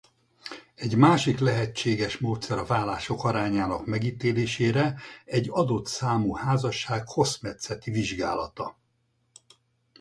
Egy másik lehetséges módszer a válások arányának megítélésére egy adott számú házasság hosszmetszeti vizsgálata.